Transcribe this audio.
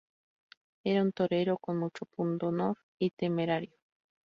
Era un torero con mucho pundonor y temerario.